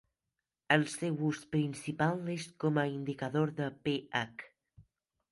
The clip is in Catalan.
El seu ús principal és com a indicador de pH.